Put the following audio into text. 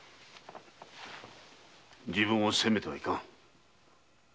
自分を責めてはいかん。